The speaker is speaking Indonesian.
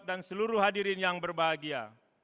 dan seluruh hadirin yang berbahagia